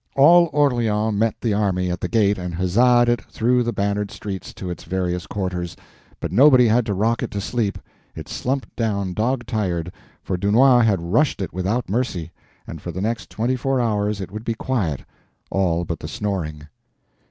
All Orleans met the army at the gate and huzzaed it through the bannered streets to its various quarters, but nobody had to rock it to sleep; it slumped down dog tired, for Dunois had rushed it without mercy, and for the next twenty four hours it would be quiet, all but the snoring.